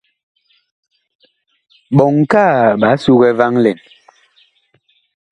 Ɓɔŋ kaa ɓaa sugɛ vaŋ lɛn.